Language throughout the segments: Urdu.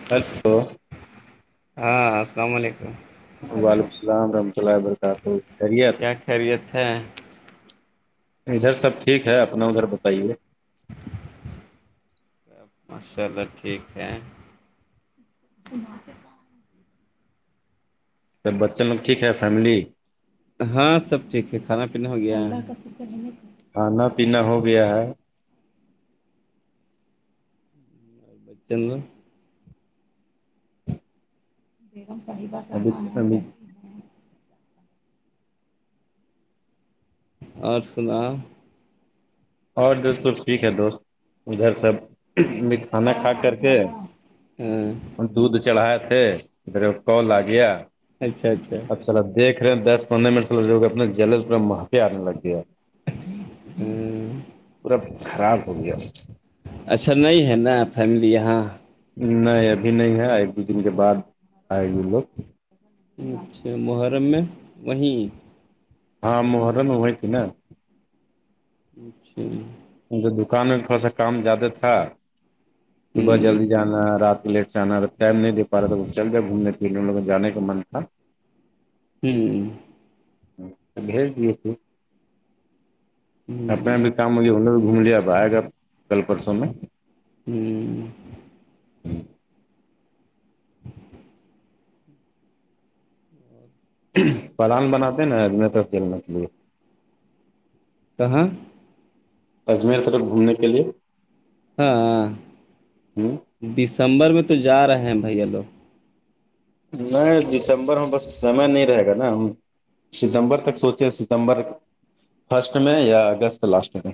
[inaudible] ہاں السلام علیکم وعلیکم السلام و رحمۃ اللہ وبرکاتہ خیریت کیا خیریت ہے ادھر سب ٹھیک ہے اپنا ادھر بتائیے [inaudible] ماشاء اللہ ٹھیک ہے سب بچن لگٹھیک ہے فیملی ہاں سب ٹھیک ہے کھانا پینا ہو گیا ہے کھانا پینا ہو گیا ہے بچن ل بیگم طہیبہ ابھی کہاں ہے ابھی کیسی ہے اور سنا اور جوست س ٹھیک ہے دوست ادھر سب میں کھانا کھا کر کے ہاں دودھ چڑھائے تھے اھر کال آ گیا اچھا اچھا چل دیکھ رہے ہیں دس پندرہ منٹ لگ اپنے جل مفے آنے لگ گیا ہے پورا خراب ہو گیا اچھا نہیں ہے نا فیملی یہاں نہیں ابھی نہیں ہے ایک دو دن کے بعد آئے گی لوگ اچھا محرم میں وہیں ہاں محرم ہوی ت نا اچھا جی ان دکان میں کا سا کام زیادہ تھا صبح ہوں جلدی جانا رات کو لیٹ ٹم نہیںے پا رہا تھا چل جائے گھومنے پے ان لوگ جان کا من تھا ہوں بھیج دیے تھے اپنے ہوں بھی کام ہو گ نے بھی گھوم لیا اب آئے گا کل پرسوں میں ہوں پلان بناتے نا تر سیل مچھلی کہاں اجمیر تک گھومنے کے لیے ہاں ہوں دسمبر میں تو جا رہے ہیں بھیا لوگ نہیں دسمبر میں بس سمے نہیں رہے گا نا ہم ستمبر تک سوچے ستمبر فرسٹ میں یا اگست لاسٹ میں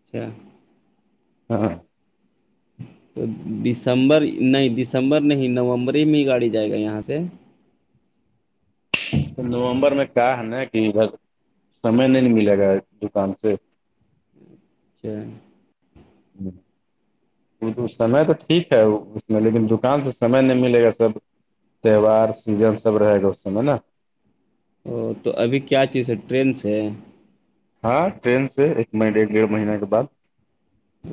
اچھا ہاں تو دسمبر نہیں دسمبر نہیں نومبر ہی میں ہی گاڑی جائے گا یہاں سے نومبر میں کہ ہے نا کہ ادھر سمے نہیں نہیں ملے گا دکان سے اچھا جی سمے تو ٹھیک ہے اس میں لیکن دکان سے سمے نہیں ملے گا سب تیوار سیجن سب رہے گا اس س میں نا او تو ابھی کیا چیز ہے ٹرین سے ہاں ٹرین سے ایک مہینے ڈیڑھ مہینے کے بعد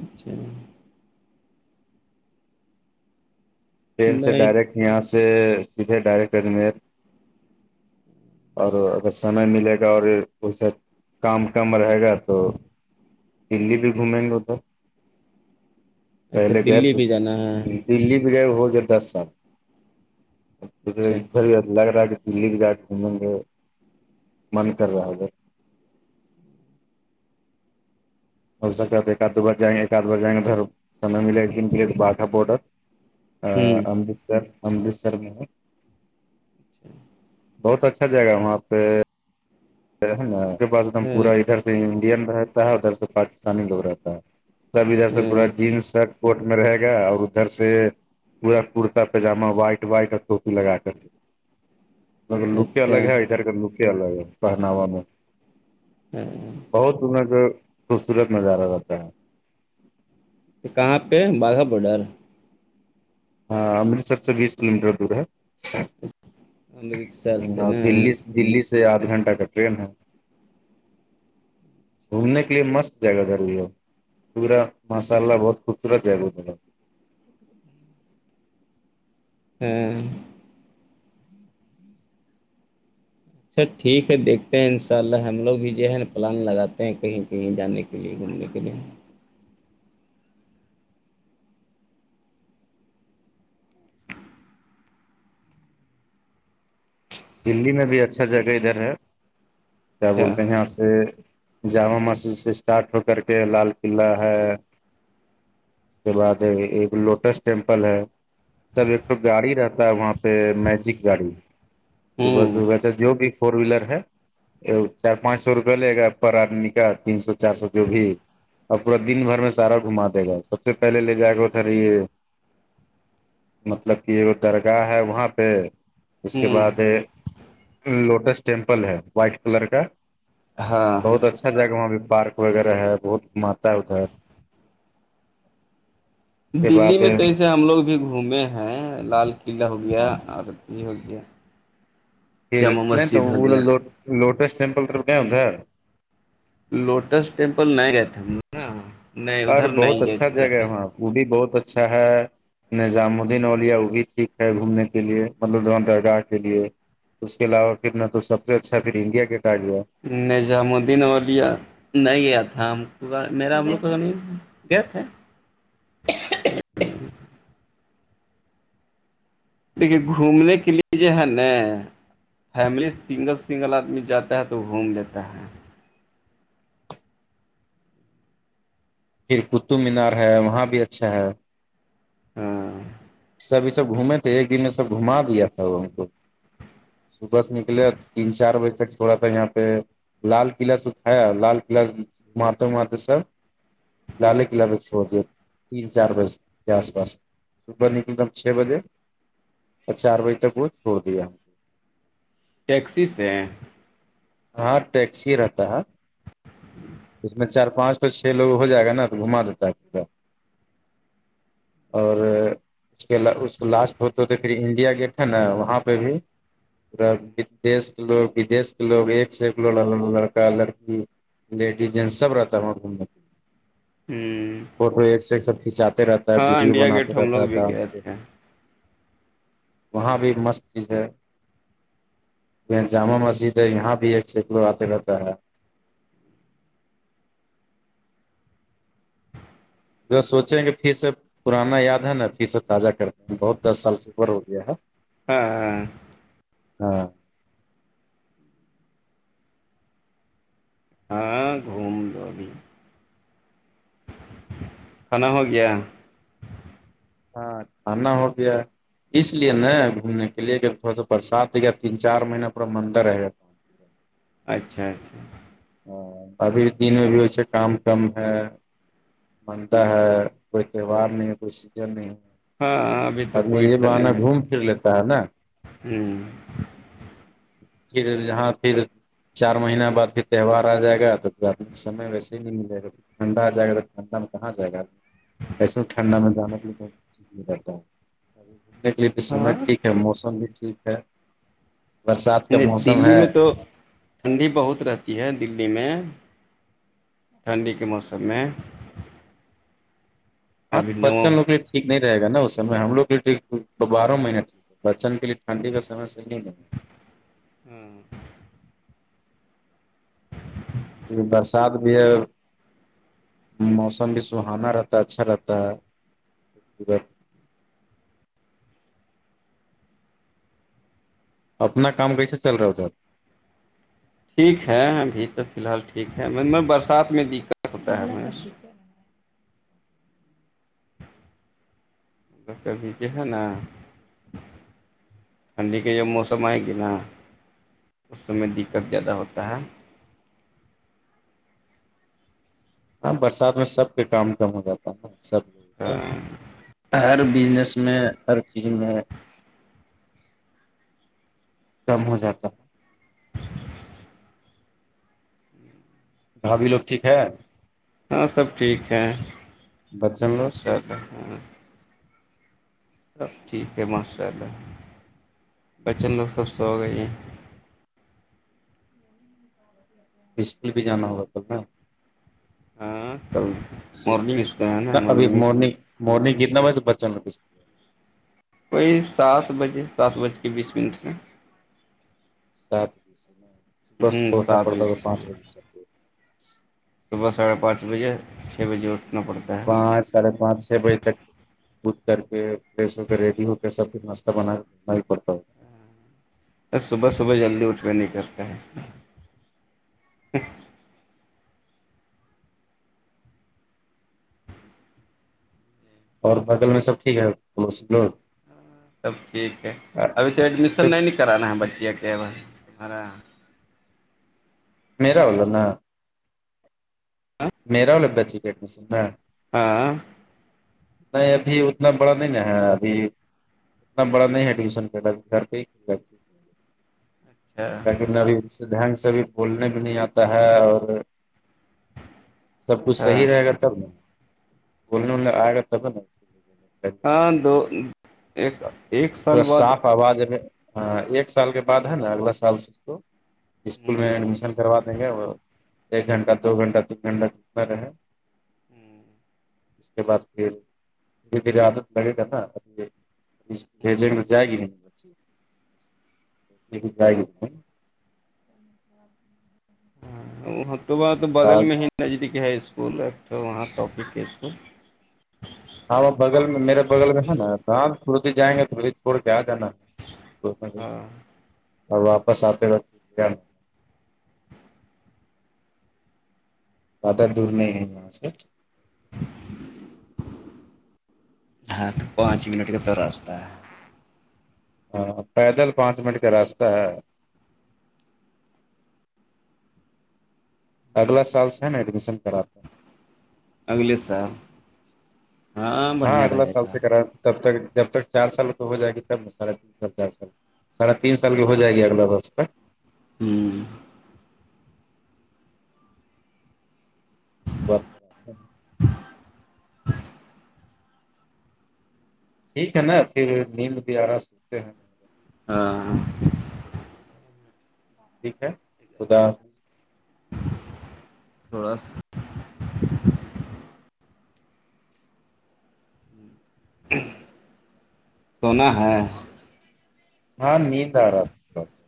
اچھا ٹرین سے نہیں ڈائریکٹ یہاں سے سیدھے ڈائریکٹ ادمیر اور اگر سمے ملے گا اور اسے کامٹم رہے گا تو دللی بھی گھومیں گے تو اچھا پہلے گئے دلی تھے بھی جانا ہے جی دلی بھی جئے ہو گیا دس سال پھر اچھا ادھر لگ رہا دلی کے گاٹ گھومیں گے من کر رہا ہے ہے اور سکتا ہے ایک آد دو بج جیںے آدھ بج جیں گےدھر سم ملے گانے باھا بورڈر ہوں امرتسر امرتسر میں بہت اچھا جگا وہاں پہ ہے نا اس کے پا ایک دم ہاں پورا ادھر سے انڈین رہتا ہے ادھر سے پاکستانی لوگ رہتا ہے سب ادھر سے پورا ہاں جینس شرٹ کوٹ میں رہے گا اور ادھر سے پورا کرتا پائجامہ وائٹ وائٹ اور ٹوپی لگا کر د مگر لوک اچھا الگ ہے ا طار کا لوک ہی الگ ہے پہناا میں ہ ہ بہت سر جو خوبصورت نظارہ رہتا ہے تو کہاں پہ باغا باڈر ہاں امرتسر سے بیس کلو میٹر دور ہے امرتسر سے اور نا دلی سے دلی سے آدھ گھنٹہ کا ٹرین ہے گھومنے کے لیے مست جگہ ضروری ہے پورا ماشاء اللہ بہت خوبصورت جگا ا ہاں اچھا ٹھیک ہے دیکھتے ہیں ان شاء اللہ ہم لوگ بھی جو ہے نا پلان لگاتے ہیں کہیں کہیں جانے کے کہے گھومنے کے لیے دلی میں بھی اچھا جگہ ادھر ہے کیا اچھا بولتے ہیں یہاں سے جامع مسجد سے اسٹارٹ ہو کر کے لال قلعہ ہے اس کے بعد ایک لوٹس ٹیمپل ہے سب ایک تو گاڑی رہتا ہے وہاں پہ میجک گاڑی صبح ہوں صبح سے جو بھی فور ویلر ہے ا چار پانچ سو روپیہ لے گا پر آدمی کا تین سو چار سو جو بھی اور پورا دن بھر میں سارا گھما دے گا سب سے پہلے لے جا کے اتا رہی یہ مطلب کہ ایک درگاہ ہے وہاں پہ اس کے ہوں بعد لوٹس ٹیمپل ہے وائٹ کلر کا ہاں بہت اچھا جگہ وہاں بھیہ پارک وغیرہ ہے بہت گھماتا ہے ادھر کے بعد دلی میں پھر تو ایسے ہم لوگ بھی گھومے ہیں لال قلعہ ہو گیا ہو گیا جامع یہ تو مسجد ہو وہ ل گیا ل لوٹس ٹمپل تو کہیاں تھار لوٹس ٹیمپل نہیں گئے تھے نہیں اور ادھر نہیں بہت اچھا گیا جگہ ہے تھا وہاں وہ بھی بہت اچھا ہے نظام الدین اولیا وہ بھی ٹھیک ہے گھومنے کے لیے مطلب داں درگاہ کے لیے اس کے علاوہ پھر نہ تو سب سے اچھا پھر انڈیا کے کاارڈ جو ہے نظام الدین اولیا نہیں تھا ہم کو میرا ہم لوگ کو نہیں گئے تھے دیکھیے گھومنے کے لیے جو ہے نا فیملی سنگل سنگل آدمی جاتا ہے تو گھوم لیتا ہے پھر قطب مینار ہے وہاں بھی اچھا ہے ہاں سبھی سب گھومے تھے ایکن میں سب گھما دیا تھا ان کو صبح سے نکلے تین چار بجے تک چھوڑا کر یہاں پہ لال قلعہ سب ہے لال قلعہ مات مات سب لال قلعہ میں چھوڑ دے تین چار بج کے آس پاس ب نکلتا ہوں چھ بجے اور چار بجے تک وہ چھوڑ دیا ہ ٹیکسی سے ہاں ٹیکسی رہتا ہے اس میں چار پانچ تو چھ لوگ ہو جائے گا نا تو گھما دیتا ہے پا اور اس کو لاسٹ ہوتا تو پھر انڈیا گیٹ ہے نا وہاں پہ بھی پادش کے لوگ بدی لوگ ایک سے ایک لو لڑکا لڑکی لیڈیز جینٹ سب رہتا ہےاں گھومنے کے لی ہوں فوٹو ایک سے ایک سب کھنچاتے رہتا ہے ہاں ویڈیو انڈیا بناتے گیٹ ہم رہتا لوگ ہے بھی گئے ڈانس کے تھے وہاں بھی مست چیز ہے یہ جامع مسجد ج یہاں بھی ایک سینیککڑو آتے رہتا ہے جو سوچیں کہ پھر سے پرانا یاد ہے نا ابھی سے تازہ کرتے ہیں بہت دس سال سے اوپر ہو گیا ہے ہاں ہاں ہاں ہاں گھوم لبھی کانا ہو گیا ہاں کھانا ہو گیا اس لیے نا گھومنے کے لیے کہ تھوڑا سا برسات دیا تین چار مہین پورا مر ہے اچھا اچھا ہاں ابھی بھی دن میں بھی وس کام کم ہے منتا ہے کوئی تہوار نہیں کوئی سیجن نہیں ہاں ہ ابھی تو آدمی کوئی یہ حصا نہیں بہانا ہے گھوم پھر لیتا ہے نا ہوں ج [unintelligible] ٹھیک ہے ہاں ٹھیک چار مہین بعد پھر تہوار آ جائے گا تود س ویسے نہیں ملے گا ٹھنڈا آ جائے گا ٹھنڈا میں کہاں جائے گا ایسے ٹھنڈا میں جانے کے لیے کوئی نہیں کرتا گھومنے کے لیے بھی سمے ہاں ٹھیک ہے موسم بھی ٹھیک ہے برسات کا نہیں موسم دلی ہے میں تو [inaudible] ہاں تو بچن نو پری ٹھیک نہیں رہے گا اس سم میں ہم لوگ کےے ٹھیک بارہ مہینے ٹھیک ہے بچن کے لیے ٹھنڈی کا سے صحی نہیں گا ہاں برسات بھی ہے موسم بھی سہانا رہتا ہے اچھا رہتا ہے اپنا کام کیسے چل رہا ہو تھا آپ ٹھیک ہے ابھی تو فی الحال ٹھیک ہےط برسات میں دقت ہوتا ہے ابھی جو ہے نا ٹھنڈی کے جب موسم آئے گ نا اس سم میں دقت زیادہ ہوتا ہے ہاں برسات میں سب کے کام کم ہو جاتا ہے نا سب لوگوں کا اور ہر بزنس میں ہر چیز میں کم ہو جاتا ہے بھاابھی لوگ ٹھیک ہے ہاں سب ٹھیک ہے بچن لوگ ماشاء اللہ ہاں سب ٹھیک ہے ماشاء اللہ بچن لوگ سب سو گئے ہیں اسسکل بھی جانا ہوگا تو نا ہاں کل مارننگ اس کا ہے نا ابھی مارننگ اس کا مورن مورنگ کتنا بجے سے بچن میں کچھ کوئی سات بجے سات بج کے بیس منٹ سے سات ہوں صبحبٹنا سات پڑتا بجے ہو پانچ بجے سے صبح ساڑھے پانچ بجے چھ بجے اٹھ پانچ ساڑھے پانچ چھ بجے تک بود کر کے فریش ہو کے ریڈی ہو کے سب کو ناشتہ بنا پڑتا صبح صبح جلدی اٹھ کے نہیں کرتے ہے اور بگل میں سب ٹھیک ہے تب ٹھیک ہے ابھی تو ایڈمیشن نہیں نہیں کرانے ہیں بچے کے ہرا میرا والول نا میرا وہ لبا جی کی ایڈمیشن میں آاں نہیں ابھی اتنا بڑا نہیں ن ہے ابھی اتنا بڑا نہیں ہے ایڈمیشن گھر پہ ہی جاتی ہے اچھا لیکننگ سے بھی بولنے بھی نہیں آتا ہے اور سب کچھ ہاں صحیح رہے گا تب بولنے وولنے آئے گا تب ہاں دو ایک ایک سال پورا بعد صاف آواز ہاں ایک سال کے بعد ہے نا اگلا سال سے تو اسکول میں ہوں ایڈمیشن کروا دیں گے وہ ایک گھنٹہ دو گھنٹہ تین گنڈا چکنا رہ اس کے بعد پھر دے دے آدت لگے گا نا جائے گی نہیں جائے گی [inaudible] تو بغل میں ہاں ہی نزدیک ہے اسکول تو وہاں ٹاپک کے اسکول ہاں وہ بغل میں میرے بغل میں ہے نا توپوتی جائیں گے چھڑ کے آ جانا ہاں اور واپس آپ زدہ دور میں ہاں تو پانچ منٹ کےتے رستا ہے ہاں پیدل پانچ منٹ کا راستہ ہے اگلا سال سے ہے نا ایڈمیشن کراتا ہوں اگلے سال ہاں بڑھیا اگلا رہے سال گا سے کرا تب تک جب تک چار سال کی ہو جائے گی تب ساھے تین سال چار سال ساڑھے تین سال کی ہو جائے گی اگے ورس تک ہوں و [inaudible] ٹھیک ہے نا پھر نیند بھی آرا سوکھتے ہیں ہاں ٹھیک ہے خدا حافظ [inaudible] سونا ہے ہاں نیند آ رہا تھوڑا سا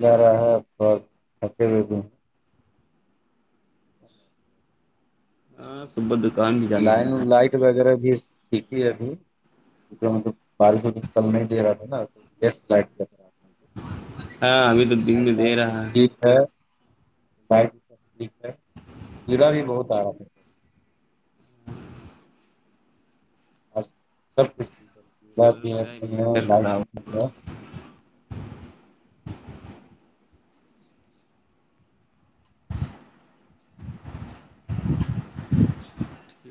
جا رہا ہے کرتے ہوئے بھی ہاں صبح دکان ہی جانا ہے لائن لائٹ وغیرہ بھی یک ہی ابھی مطلب بارشوں تو کل نہیں دے رہا تھا نا تو لائ ہاں ابھی تو دن میں دے رہا [inaudible] بیک ہے جلہہ بھی بہت آ رہا ہے سب کچھ یک لائٹ اور میرا انورٹر خراب بھییک ہے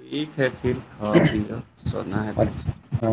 ٹھیک ہے پھر کھاؤ پو سونا ہے اور